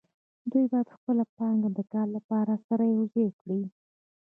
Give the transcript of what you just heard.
دوی باید خپله پانګه د کار لپاره سره یوځای کړي